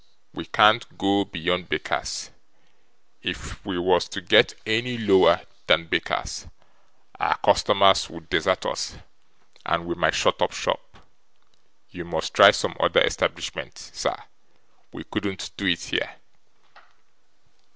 We can't go beyond bakers. If we was to get any lower than bakers, our customers would desert us, and we might shut up shop. You must try some other establishment, sir. We couldn't do it here.